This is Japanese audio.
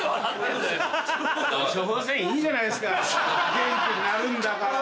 元気になるんだから。